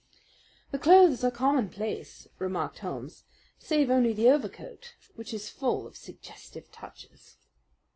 "The clothes are commonplace," remarked Holmes, "save only the overcoat, which is full of suggestive touches."